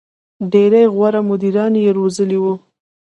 • ډېری غوره مدیران یې روزلي وو.